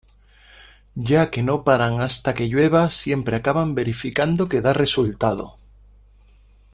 Ya que no paran hasta que llueva, siempre acaban verificando que da resultado.